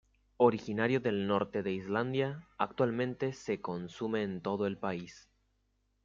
Originario del norte de Islandia, actualmente se consume en todo el país.